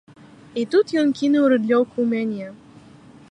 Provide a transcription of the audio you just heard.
І тут ён кінуў рыдлёўку ў мяне.